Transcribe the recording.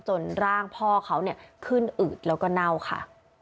จนร่างพ่อเขาขึ้นอืดแล้วก็เน่าค่ะ